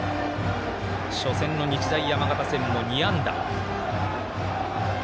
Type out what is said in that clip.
初戦の日大山形戦も２安打。